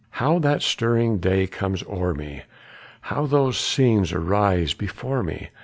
How that stirring day comes o'er me! How those scenes arise before me!